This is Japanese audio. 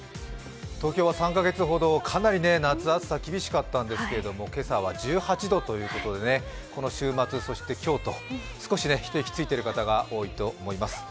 東京は３か月ほど、夏かなり暑さが厳しかったんですけど、今朝は１８度ということでね、この週末、そして今日と少し一息ついている方が多いと思います。